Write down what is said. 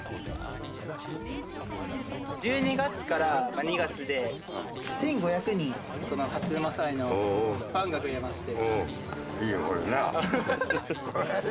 １２月から２月で１，５００人初午祭のファンが増えまして。